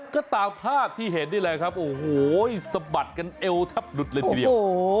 ก็ตามภาพที่เห็นนี่แหละครับโอ้โหสะบัดกันเอวทับหลุดเลยทีเดียว